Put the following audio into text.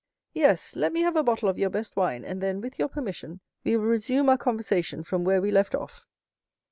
"Yes; let me have a bottle of your best wine, and then, with your permission, we will resume our conversation from where we left off."